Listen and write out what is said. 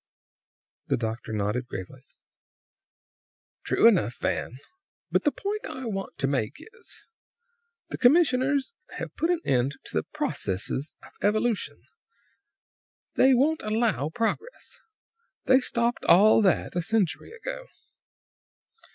The doctor nodded gravely. "True enough, Van. But the point I want to make is, the commissioners have put an end to the processes of evolution. They won't allow progress. They stopped all that a century ago.